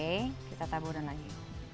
ini kita taburin lagi